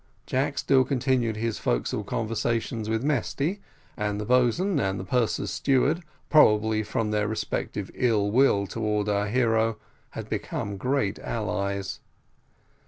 Jack still continued his forecastle conversation with Mesty; and the boatswain and purser's steward, probably from their respective ill will towards our hero, had become great allies.